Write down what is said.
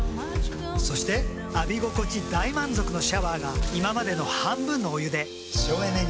そして浴び心地大満足のシャワーが今までの半分のお湯で省エネに。